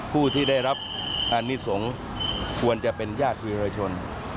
ผู้ที่ได้รับอนิสงฆ์ควรจะเป็นญาติวิรชน